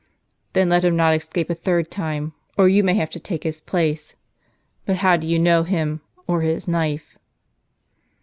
" Then let him not escape a third time, or you may have to take his place. But how do you know him, or his knife